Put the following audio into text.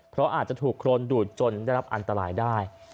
เพราะอาจจะถูกโครนดูดจนได้รับอันตรายได้